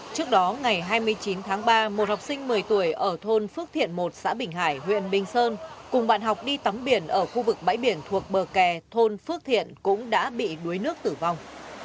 trước đó ngày hai mươi chín tháng ba một học sinh một mươi tuổi ở thôn phước thiện một xã bình hải huyện bình sơn cùng bạn học đi tắm biển ở khu vực bãi biển thuộc bờ kè thôn phước thiện cũng đã bị đuối nước tử vong